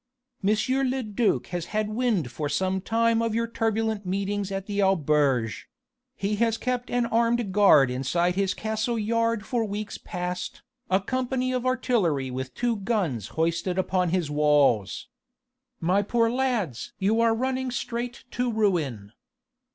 M. le duc has had wind for some time of your turbulent meetings at the auberge: he has kept an armed guard inside his castle yard for weeks past, a company of artillery with two guns hoisted upon his walls. My poor lads! you are running straight to ruin!